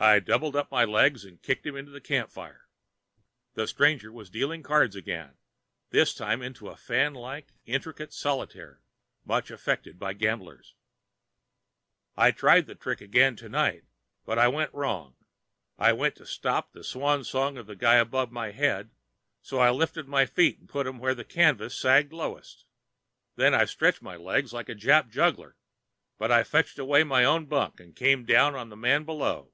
"I doubled up my legs and kicked him into the camp fire." The stranger was dealing the cards again, this time into a fanlike, intricate solitaire much affected by gamblers. "I tried the trick again to night, but I went wrong. I wanted to stop the swan song of the guy over my head, so I lifted up my feet and put them where the canvas sagged lowest. Then I stretched my legs like a Jap juggler, but I fetched away my own bunk and came down on the man below.